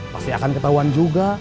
pasti akan ketahuan juga